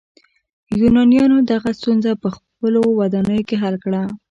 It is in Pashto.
یونانیانو دغه ستونزه په خپلو ودانیو کې حل کړه.